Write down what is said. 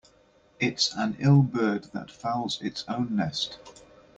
It's an ill bird that fouls its own nest.